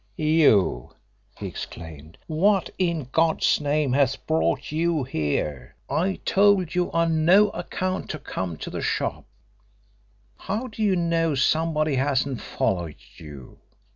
"You!" he exclaimed. "What in God's name has brought you here? I told you on no account to come to the shop. How do you know somebody hasn't followed you?"